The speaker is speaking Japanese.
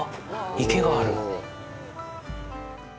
池がある！